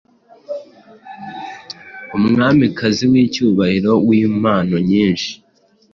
umwamikazi wicyubahiro wimpano nyinshi